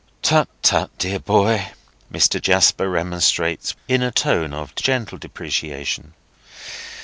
"Tut, tut, dear boy," Mr. Jasper remonstrates, in a tone of gentle deprecation.